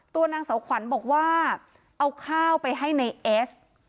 ตัวนางเสาขวัญบอกว่าเอาข้าวไปให้ในเอส